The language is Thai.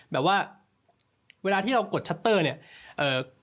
เวลาที่เรากดชัตเตอร์เนี่ย